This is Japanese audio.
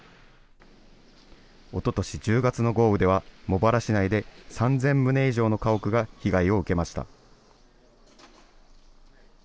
おととし１０月の豪雨では、茂原市内で３０００棟以上の家屋が被害を受けました。